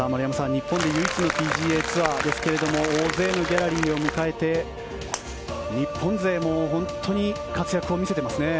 日本で唯一のＰＧＡツアーですが大勢のギャラリーを迎えて日本勢も本当に活躍を見せていますね。